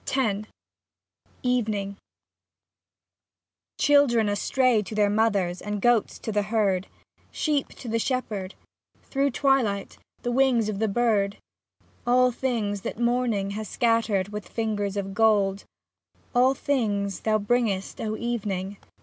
28 X EVENING Children astray to their mothers, and goats to the herd, Sheep to the shepherd, through twilight the wings of the bird, All things that morning has scat tered with fingers of gold, All things thou bringest, O Even ing